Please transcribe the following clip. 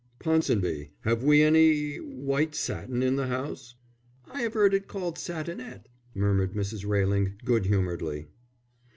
"Ponsonby, have we any white satin in the house?" "I 'ave 'eard it called satinette," murmured Mrs. Railing, good humouredly.